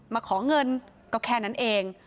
มาขอเงินก็แค่นั้นเอง